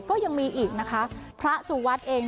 ก็ยังมีอีกนะคะพระสุวัสดิ์เอง